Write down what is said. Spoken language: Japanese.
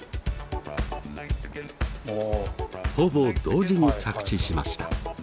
ほぼ同時に着地しました。